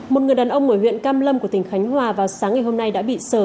một người đàn ông ở huyện cam lâm của tỉnh khánh hòa vào sáng ngày hôm nay đã bị sở